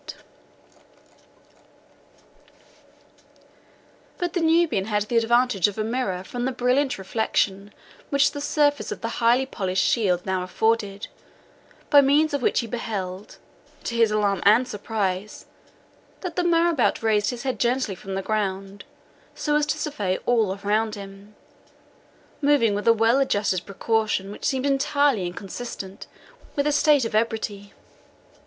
But the Nubian had the advantage of a mirror from the brilliant reflection which the surface of the highly polished shield now afforded, by means of which he beheld, to his alarm and surprise, that the marabout raised his head gently from the ground, so as to survey all around him, moving with a well adjusted precaution which seemed entirely inconsistent with a state of ebriety.